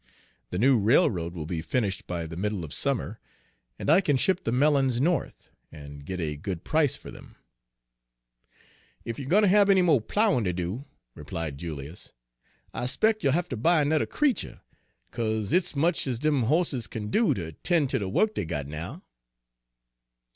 The new railroad will be finished by the middle of summer, and I can ship the melons North, and get a good price for them." "Ef you er gwine ter hab any mo' ploughin' ter do," replied Julius, "I 'spec' you'll ha' ter buy ernudder creetur, 'ca'se hit's much ez dem hosses kin do ter 'ten' ter de wuk dey got now."